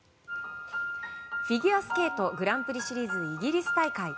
フィギュアスケートグランプリシリーズイギリス大会。